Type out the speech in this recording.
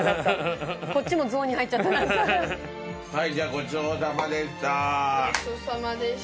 ごちそうさまでした。